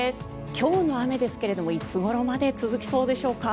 今日の雨ですがいつごろまで続きそうでしょうか？